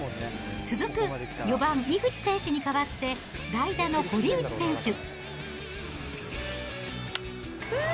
続く４番井口選手に代わって、題だの堀内選手。